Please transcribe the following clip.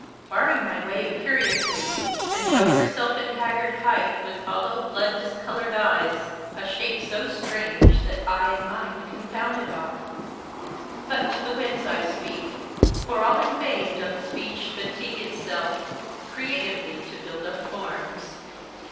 Barring my way imperiously, and showed herself In haggard height, with hollow, blood discolored eyes, A shape so strange that eye and mind confounded are. But to the winds I speak : for all in vain doth Speech Fatigue itself, creatively to build up forms.